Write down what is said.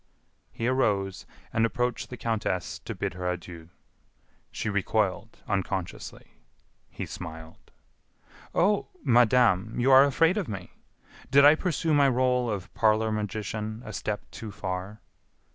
He arose and approached the countess to bid her adieu. She recoiled, unconsciously. He smiled. "Oh! Madame, you are afraid of me! Did I pursue my role of parlor magician a step too far?"